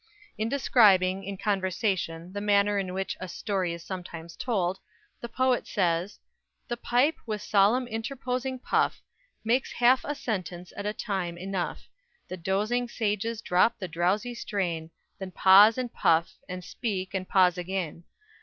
In describing, in "Conversation," the manner in which a story is sometimes told, the poet says: _The pipe, with solemn interposing puff, Makes half a sentence at a time enough; The dozing sages drop the drowsy strain, Then pause and puff and speak, and pause again.